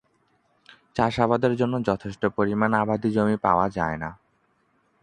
চাষাবাদের জন্য যথেষ্ট পরিমাণ আবাদি জমি পাওয়া যায়না।